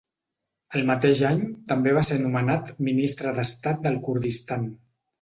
El mateix any també va ser nomenat ministre d'Estat del Kurdistan.